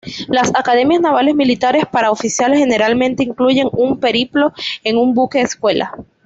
Las academias navales militares para oficiales generalmente incluyen un periplo en un buque escuela.